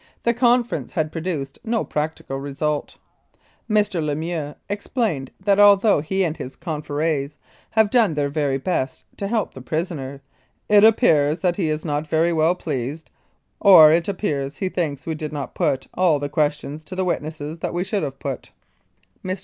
The conference had produced no practical result. Mr. Lemieux explained that although he and his confreres had done their very best to help the prisoner, "It appears that he is not very well pleased, or it appears he thinks we did not put all the questions to the witnesses that we should have put." Mr.